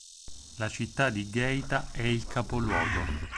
La città di Geita è il capoluogo.